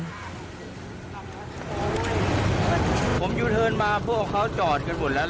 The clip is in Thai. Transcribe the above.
ผมยูเทิร์นมาพวกเขาจอดกันหมดแล้ว